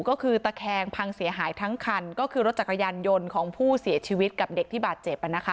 ก็คือตะแคงพังเสียหายทั้งคันก็คือรถจักรยานยนต์ของผู้เสียชีวิตกับเด็กที่บาดเจ็บ